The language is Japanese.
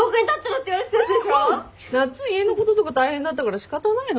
なっつん家のこととか大変だったから仕方ないのにね。